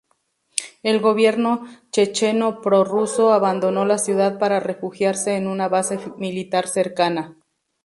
El gobierno checheno pro-ruso abandono la ciudad para refugiarse en una base militar cercana.